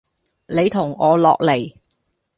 你同我落黎!